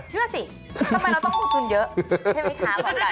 เชื่อสิทำไมเราต้องลงทุนเยอะเข้มไว้ท้านหมอไก่